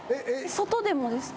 外でもですか？